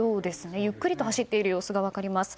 ゆっくりと走っている様子が分かります。